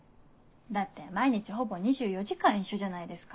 だって毎日ほぼ２４時間一緒じゃないですか。